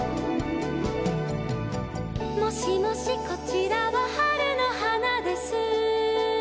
「もしもしこちらは春の花です」